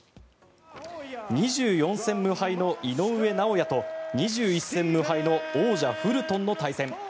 ２４戦無敗の井上尚弥と２１戦無敗の王者フルトンの対戦。